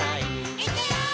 「いくよー！」